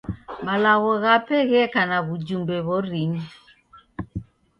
Malagho ghape gheka na w'ujumbe w'orinyi.